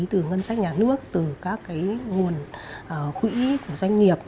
từ ngân sách nhà nước từ các nguồn quỹ của doanh nghiệp